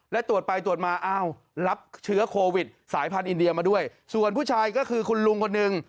และตรวจไปตรวจมาอ้าวรับเชื้อโควิดสายพันธุอินเดียมาด้วยส่วนผู้ชายก็คือคุณลุงคนหนึ่ง